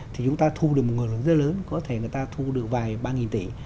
thì chúng ta thu được một nguồn lực rất lớn có thể người ta thu được vài ba tỷ